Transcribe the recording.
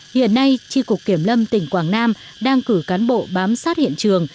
hiện nay tri cục kiểm lâm tỉnh quảng nam đang cử cán bộ bám sát hiện trường